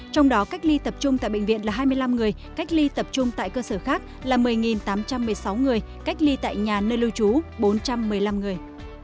trong đó cách ly tập trung tại bệnh viện là hai mươi năm người cách ly tập trung tại cơ sở khác là một mươi tám trăm một mươi sáu người cách ly tại nhà nơi lưu trú bốn trăm một mươi năm người